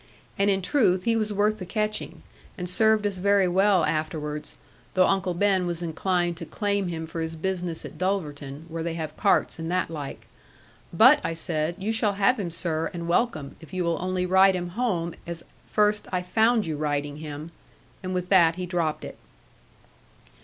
And in truth he was worth the catching, and served us very well afterwards, though Uncle Ben was inclined to claim him for his business at Dulverton, where they have carts and that like. 'But,' I said, 'you shall have him, sir, and welcome, if you will only ride him home as first I found you riding him.' And with that he dropped it.